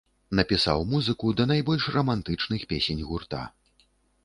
Напісаў музыку да найбольш рамантычных песень гурта.